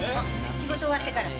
仕事終わってから。